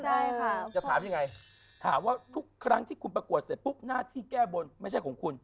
ใช่ค่ะจะถามยังไงถามว่าทุกครั้งที่คุณประกวดเสร็จปุ๊บหน้าที่แก้บนไม่ใช่ของคุณ